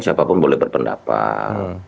siapapun boleh berpendapat